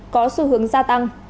có xu hướng gia tăng